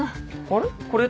あれ？